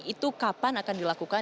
itu kapan akan dilakukan